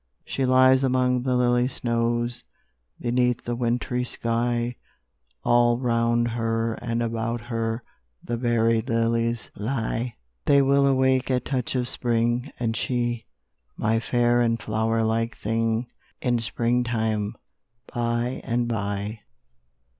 She lies among the lily snows, Beneath the wintry sky; All round her and about her The buried lilies lie. They will awake at touch of Spring, And she, my fair and flower like thing, In spring time by and by.